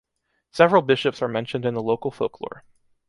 Several bishops are mentioned in the local folklore.